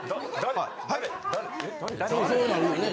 ・そうなるよね。